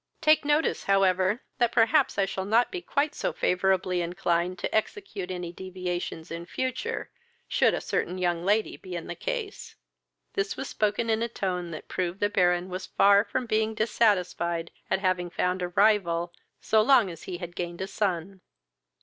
Take notice, however, that perhaps I shall not be quite so favourably inclined to execute any deviations in future, should a certain young lady be in the case." This was spoken in a tone that proved the Baron was far from being dissatisfied at having found a rival, so long as he had gained a son.